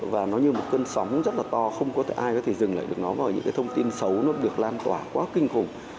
và nó như một cơn sóng rất là to không có thể ai có thể dừng lại được nó vào những cái thông tin xấu nó được lan tỏa quá kinh khủng